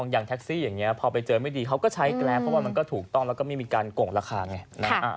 อย่างแท็กซี่อย่างนี้พอไปเจอไม่ดีเขาก็ใช้แกรปเพราะว่ามันก็ถูกต้องแล้วก็ไม่มีการโก่งราคาไง